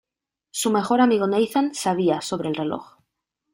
Su mejor amigo Nathan sabía sobre el reloj.